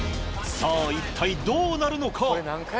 さぁ一体どうなるのか？